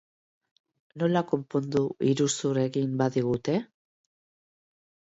Nola konpondu iruzur egin badigute?